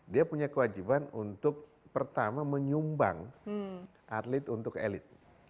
dia punya kewajiban untuk pertama menyumbang atlet untuk elit